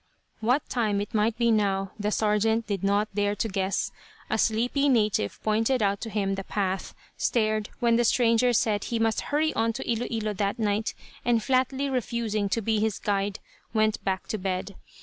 What time it might be now the sergeant did not dare to guess. A sleepy native pointed out to him the path, stared, when the stranger said he must hurry on to Ilo Ilo that night, and flatly refusing to be his guide, went back to bed.